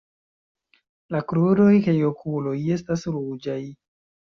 La kruroj kaj okuloj estas ruĝaj.